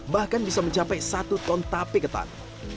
bahkan bisa mencapai satu ton tape ketan